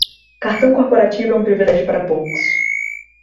Cartão corporativo é um privilégio para poucos